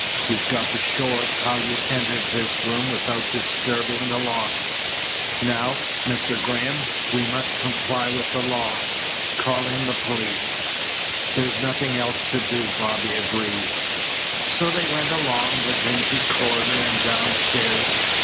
You've got to show us how you entered this room without disturbing the locks. Now, Mr. Graham, we must comply with the law. Call in the police." "There's nothing else to do," Bobby agreed. So they went along the dingy corridor and downstairs.